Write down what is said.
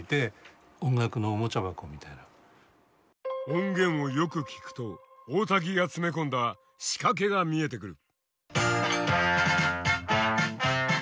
音源をよく聴くと大瀧が詰め込んだ仕掛けが見えてくる。